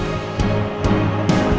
aku akan mencintai kamu